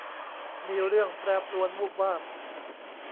มีเรื่องแปรปรวนวูบวาบ